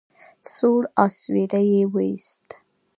سوړ اسويلی يې ويست.